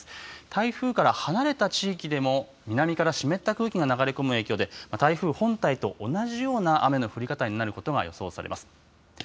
台風から離れた地域でも、南から湿った空気が流れ込む影響で、台風本体と同じような雨の降り方になることが予想されます。